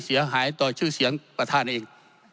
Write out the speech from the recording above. เสียหายต่อชื่อเสียงประธานเอง